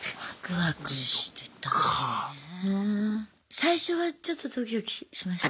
最初はちょっとドキドキしました？